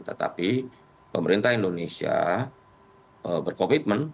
tetapi pemerintah indonesia berkomitmen